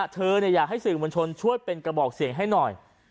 เธออยากให้สื่อมวลชนช่วยเป็นกระบอกเสียงให้หน่อย